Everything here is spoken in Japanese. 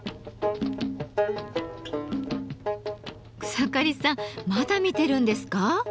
草刈さんまだ見てるんですか？